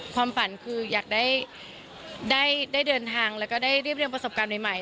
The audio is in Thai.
ความฝันคืออยากได้เดินทางแล้วก็ได้เรียบเรียงประสบการณ์ใหม่